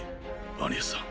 アニエスさん。